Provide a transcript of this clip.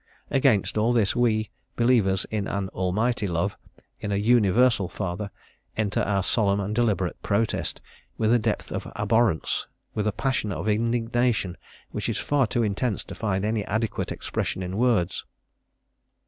Against all this we, believers in an Almighty Love, in a Universal Father, enter our solemn and deliberate protest, with a depth of abhorrence, with a passion of indignation which is far too intense to find any adequate expression in words.